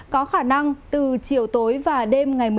có khả năng từ chiều tối và đêm ngày một mươi năm